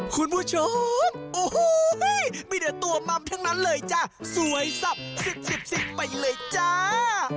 คุณผู้ชมโอ้โหมีแต่ตัวมัมทั้งนั้นเลยจ้ะสวยสับ๑๐๑๐๑๐ไปเลยจ้า